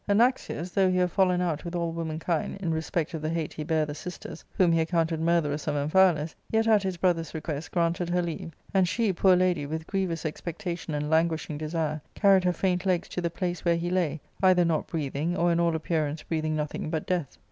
Anaxius, though he were fallen out with all womankind, in respect of the hate he bare the sisters, whom he accounted murtherers of Amphialus, yet at his brother's request granted her leave ; and she, poor lady, with grievous expectation and languishing desire, carried her faint legs to the place where he lay, either not breathing, or in all appearance breathing nothing but death.